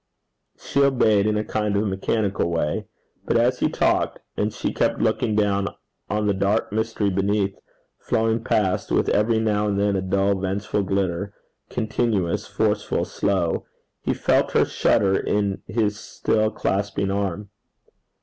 She obeyed, in a mechanical kind of way. But as he talked, and she kept looking down on the dark mystery beneath, flowing past with every now and then a dull vengeful glitter continuous, forceful, slow, he felt her shudder in his still clasping arm.